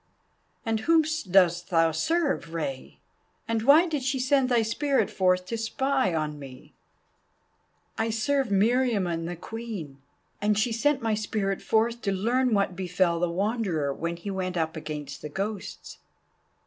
"And whom dost thou serve, Rei? And why did she send thy spirit forth to spy on me?" "I serve Meriamun the Queen, and she sent my spirit forth to learn what befell the Wanderer when he went up against the Ghosts."